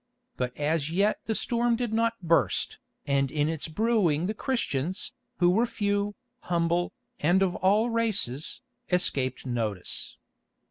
But as yet that storm did not burst, and in its brewing the Christians, who were few, humble, and of all races, escaped notice.